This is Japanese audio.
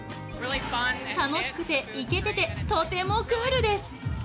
楽しくてイケててとてもクールです。